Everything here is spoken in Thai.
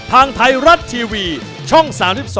ทางไทยรัฐทีวีช่อง๓๒